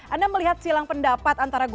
anda melihat silang pendapat antara golkar